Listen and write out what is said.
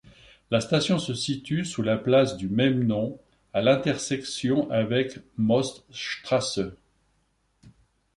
La station se situe sous la place du même nom, à l'intersection avec Motzstraße.